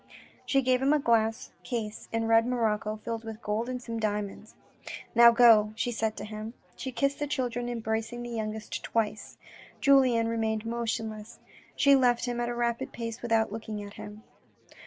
She gave him a glass case in red morocco filled with gold and some diamonds. " Now go," she said to him. She kissed the children, embracing the youngest twice. Julien remained motionless. She left him at a rapid pace without looking at him.